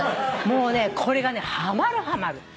もうねこれがねはまるはまる。